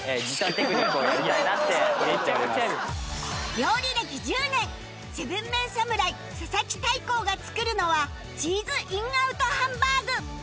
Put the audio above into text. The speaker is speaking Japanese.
料理歴１０年 ７ＭＥＮ 侍佐々木大光が作るのはチーズインアウトハンバーグ